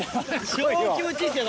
超気持ちいいっすよ